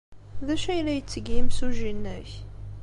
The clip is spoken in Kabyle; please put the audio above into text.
D acu ay la yetteg yimsujji-nnek?